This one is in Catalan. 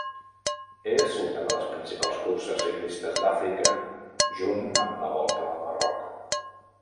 És una de les principals curses ciclistes d'Àfrica junt amb la Volta al Marroc.